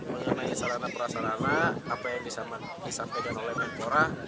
mengenai sarana prasarana apa yang bisa disampaikan oleh mentora